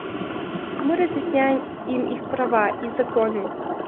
Мы разъясняем им их права и законы.